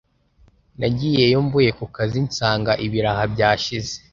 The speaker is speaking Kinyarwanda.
Nagiyeyo mvuye ku kazi nsanga ibiraha byashize